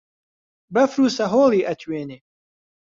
بەفر و سەهۆڵی ئەتوێنێ